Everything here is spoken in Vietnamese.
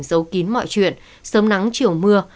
giấu kín mọi chuyện sớm nắng chiều mưa